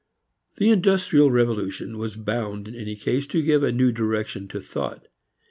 The industrial revolution was bound in any case to give a new direction to thought.